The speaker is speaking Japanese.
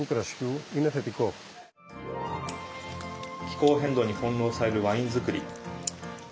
気候変動に翻弄されるワイン造り。